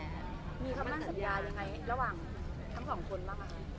มีคำสัญญายังไงระหว่างทำของคนบ้างนะ